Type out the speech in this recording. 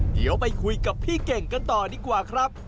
เดี๋ยวไปคุยกับพี่เก่งกันต่อดีกว่าครับ